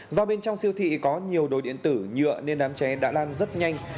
do bên trong siêu thị có nhiều đồ điện tử nhựa nên đám cháy đã lan rất nhanh